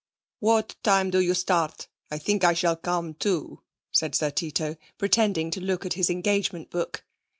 'What time do you start? I think I shall come too,' said Sir Tito, pretending to look at his engagement book.